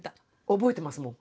覚えてますもん。